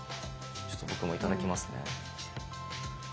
ちょっと僕も頂きますね。